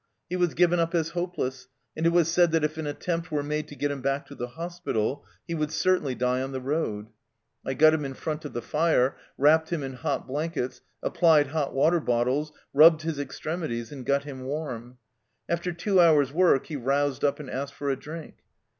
He was given up as hopeless, and it was said that if an attempt were made to get him back to the hospital he would certainly die on the road. I got him in front of the fire, wrapped him in hot blankets, applied hot water bottles, rubbed his extremities, and got him warm. After two hours' work he roused up and asked for a drink.